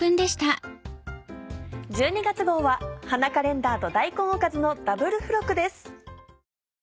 １２月号は「花カレンダー」と「大根おかず」のダブル付録です。